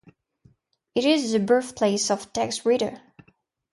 It is the birthplace of Tex Ritter.